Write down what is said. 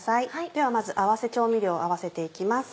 ではまず合わせ調味料を合わせて行きます。